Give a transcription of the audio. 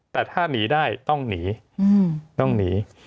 แต่ถ้าหนีได้ต้องหนีต้องหนี